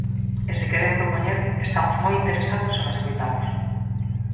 E se queren propoñer, estamos moi interesados en escoitalos.